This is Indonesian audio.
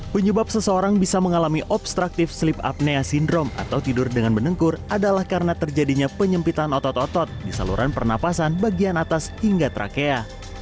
penyebab seseorang bisa mengalami obstraktif sleep apnea syndrom atau tidur dengan menengkur adalah karena terjadinya penyempitan otot otot di saluran pernapasan bagian atas hingga trakea